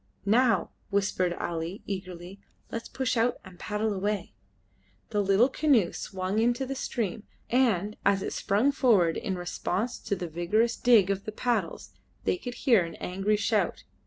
"Now," whispered Ali, eagerly, "let us push out and paddle away." The little canoe swung into the stream, and as it sprung forward in response to the vigorous dig of the paddles they could hear an angry shout.